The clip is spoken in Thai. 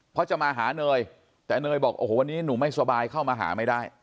เพราะจะมาหาเนยแต่เนยบอกโอ้โหวันนี้หนูไม่สบายเข้ามาหาไม่ได้